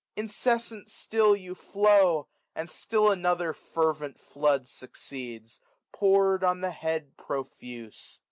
Incessant sdll you flow. And still another fervent flood succeeds, Pour'd on the head profuse.